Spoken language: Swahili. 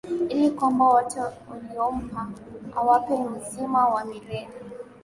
ili kwamba wote uliompa awape uzima wa milele